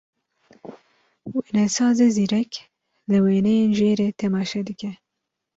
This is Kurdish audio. Wênesazê zîrek, li wêneyên jêrê temaşe bike.